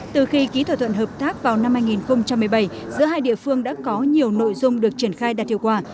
từ khi ký thỏa thuận hợp tác vào năm hai nghìn một mươi bảy giữa hai địa phương đã có nhiều nội dung được triển khai đạt hiệu quả